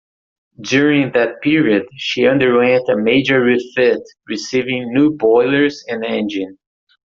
During that period she underwent a major refit, receiving new boilers and engine.